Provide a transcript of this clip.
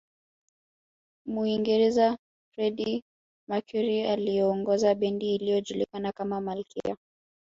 Muingereza Freddie Mercury aliyeongoza bendi iliyojulikana kama malkia